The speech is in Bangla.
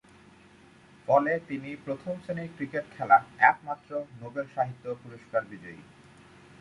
ফলে তিনি প্রথম শ্রেণির ক্রিকেট খেলা একমাত্র নোবেল সাহিত্য পুরস্কার বিজয়ী।